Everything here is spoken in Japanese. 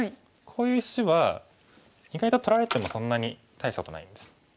こういう石は意外と取られてもそんなに大したことないんです。